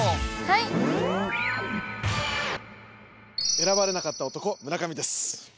選ばれなかった男村上です。